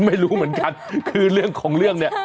ไม่รู้เหมือนกันคือเรื่องของเรื่องเนี่ย